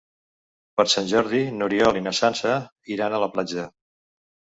Per Sant Jordi n'Oriol i na Sança iran a la platja.